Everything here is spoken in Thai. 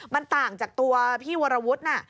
มันต่างจากตัวพี่วรวุฒิน่ะ